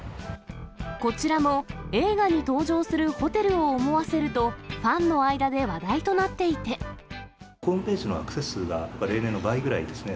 こちらも、映画に登場するホテルを思わせると、ホームページのアクセス数が例年の倍ぐらいですね。